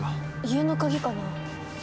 家の鍵かな？